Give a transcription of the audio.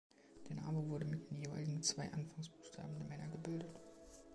Der Name wurde mit den jeweiligen zwei Anfangsbuchstaben der Männer gebildet.